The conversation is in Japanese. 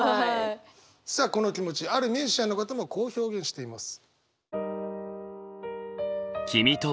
さあこの気持ちあるミュージシャンの方もこう表現しています。